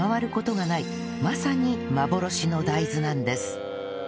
まさに幻の大豆なんです